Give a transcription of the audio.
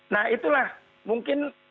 nah itulah mungkin